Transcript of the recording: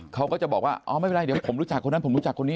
เขาก็จะบอกว่าอ๋อไม่เป็นไรเดี๋ยวผมรู้จักคนนั้นผมรู้จักคนนี้